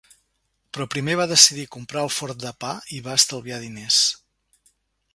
Però primer va decidir comprar el forn de pa i va estalviar diners.